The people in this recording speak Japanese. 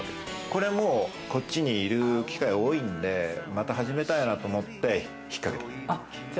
これもこっちにいる機会が多いんで、また始めたいなと思って引っかけた。